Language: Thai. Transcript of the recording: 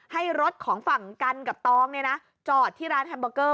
ให้รถของฝั่งกันกับตองจอดที่ร้านแฮมเบอร์เกอร์